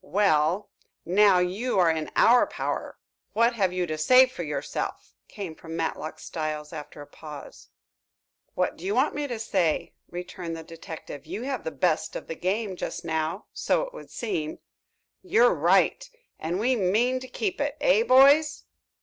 "Well, now you are in our power, what have you to say for yourself?" came from Matlock Styles, after a pause. "What do you want me to say?" returned the detective. "You have the best of the game just now, so it would seem." "You're right and we mean to keep it; eh, boys?"